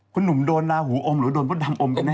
คุณหนุ่มโดนราหูอมหรือโดนพระดังอมกันแน่น่ะครับ